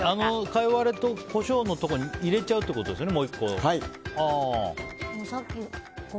カイワレとコショウのところに入れちゃうってことですよね